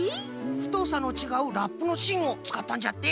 ふとさのちがうラップのしんをつかったんじゃって。